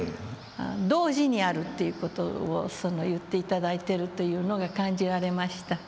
同時にあるという事を言って頂いてるというのが感じられました。